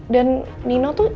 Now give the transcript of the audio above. dan nino tuh